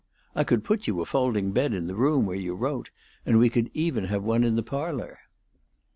I could put you a folding bed in the room where you wrote, and we could even have one in the parlor."